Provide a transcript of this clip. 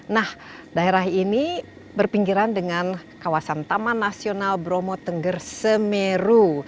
nah daerah ini berpinggiran dengan kawasan taman nasional bromo tengger semeru